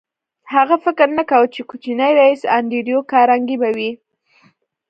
هغه فکر نه کاوه چې کوچنی ريیس انډریو کارنګي به وي